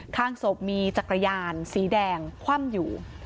ข้างศพมีจักรยานสีแดงคว่ำอยู่